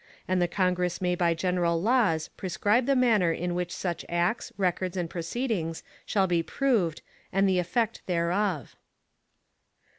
And the Congress may by general Laws prescribe the Manner in which such Acts, Records and Proceedings shall be proved, and the Effect thereof.